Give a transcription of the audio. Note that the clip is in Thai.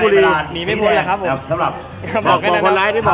พอได้ครับพอได้ครับพอได้ครับพอได้ครับพอได้ครับพอได้ครับ